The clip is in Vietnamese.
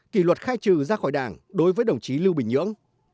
kỷ luật khai trừ ra khỏi đảng đối với đồng chí lưu bình nhưỡng